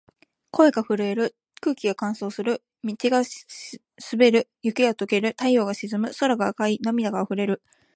声が震える。空気が乾燥する。道が滑る。雪が解ける。太陽が沈む。空が赤い。涙が溢れる。